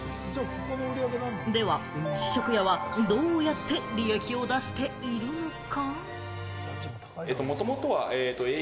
では試食屋はどうやって利益を出しているのか？